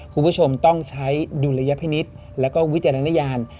คุณผู้ชมต้องใช้ดุลยพินิษฐ์แล้วก็วิจารณญาณ